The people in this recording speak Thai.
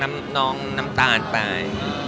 พลาดน้องน้ำตาลตาย